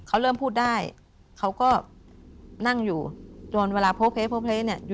เขาเริ่มพูดได้เขาก็นั่งอยู่จนเวลาโพเพลโพเพลเนี่ย